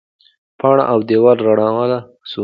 پاڼ او دیوال رانړاوه سو.